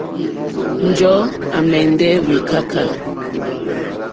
Njɔ̀ɔ́ à mɛ̀ndɛ́ wékàkà.